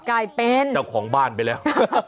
จ้าวของบ้านไปแล้ว